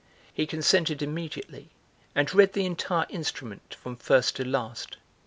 He consented immediately and read the entire instrument from first to last.